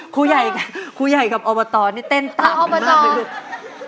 ครูใหญ่ครูใหญ่กับออบราตอนเนี่ยเต้นต่ำหล่างมากเลยครูย้อนออบราตอน